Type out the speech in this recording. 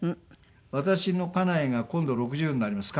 私の家内が今度６０になります。